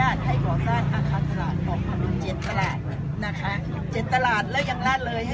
อันนี้คุณจะขอเรียนให้ทราบว่านะคะ